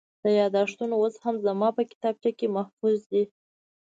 دا یادښتونه اوس هم زما په کتابخانه کې محفوظ دي.